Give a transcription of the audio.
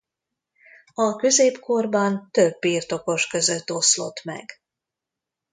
A középkorban több birtokos között oszlott meg.